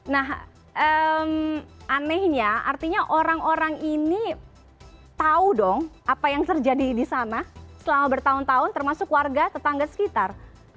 nah anehnya artinya orang orang ini tahu dong apa yang terjadi di sana selama bertahun tahun termasuk warga tetangga sekitar